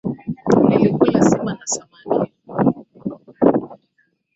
Nilikula sima na samaki